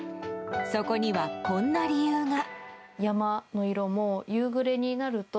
そこにはこんな理由が。